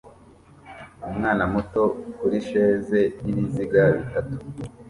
Umwana muto kurisheze yibiziga bitatu